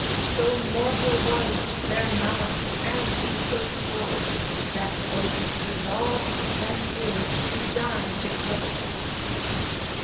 So mortal was their malice and so sore, That both resolved (than yield) to die before.